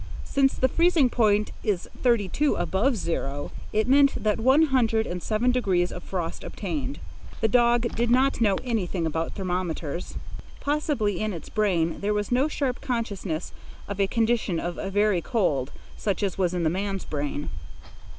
Since the freezing point is thirty two above zero, it meant that one hundred and seven degrees of frost obtained. The dog did not know anything about thermometers. Possibly in its brain there was no sharp consciousness of a condition of very cold such as was in the man's brain.